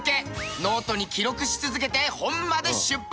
ノートに記録し続けて本まで出版。